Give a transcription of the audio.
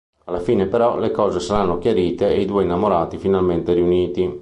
Alla fine, però, le cose saranno chiarite e i due innamorati finalmente riuniti.